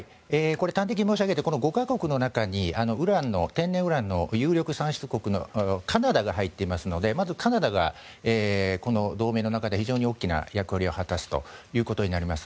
端的に申し上げてこの５か国の中に天然ウランの有力産出国のカナダが入っていますのでカナダが同盟の中で非常に大きな役割を果たすことになります。